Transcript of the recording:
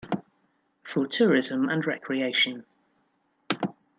For tourism and recreation.